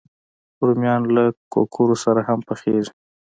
رومیان له کوکرو سره هم پخېږي